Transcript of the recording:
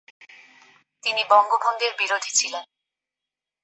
তিনি বঙ্গভঙ্গের বিরোধী ছিলেন।